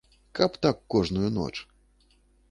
Каб так кожную ноч!